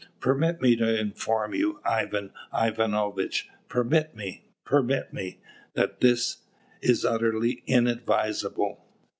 "Permit me to inform you, Ivan Ivanovitch, permit me, permit me, that this is utterly inadvisable.